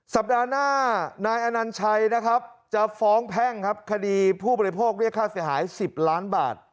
สัปดาห์หน้านายอนัญชัยนะครับจะฟ้องแพ่งครับคดีผู้บริโภคเรียกค่าเสียหาย๑๐ล้านบาท